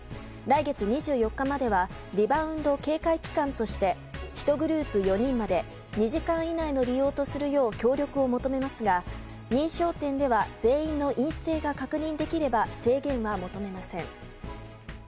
来月２４日まではリバウンド警戒期間として１グループ４人まで２時間以内の利用とするよう協力を求めますが、認証店では全員の陰性が確認できれば制限は求めません。